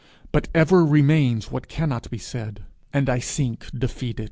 But ever remains what cannot be said, and I sink defeated.